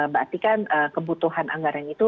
berarti kan kebutuhan anggaran itu